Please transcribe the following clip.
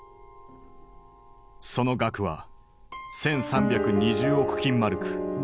その額は１，３２０億金マルク。